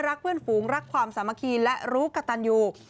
เพื่อนฝูงรักความสามัคคีและรู้กระตันอยู่